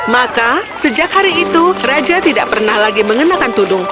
maka sejak hari itu raja tidak pernah lagi mengenakan tudung